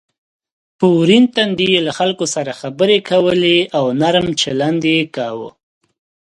په ورین تندي یې له خلکو سره خبرې کولې او نرم چلند یې کاوه.